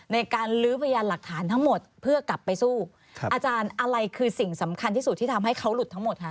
ในการลื้อพยานหลักฐานทั้งหมดเพื่อกลับไปสู้